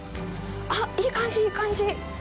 あっ、いい感じ、いい感じ。